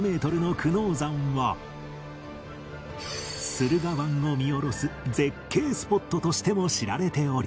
駿河湾を見下ろす絶景スポットとしても知られており